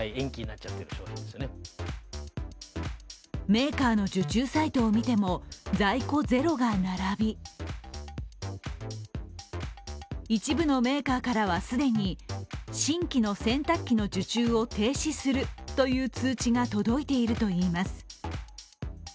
メーカーの受注サイトを見ても、在庫ゼロが並び一部のメーカーからは既に新規の洗濯機の受注を停止するという通知が届いているといいます。